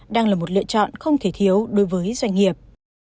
đang là một lựa chọn không thể thiếu đối với doanh nghiệp